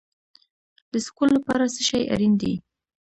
د سکون لپاره څه شی اړین دی؟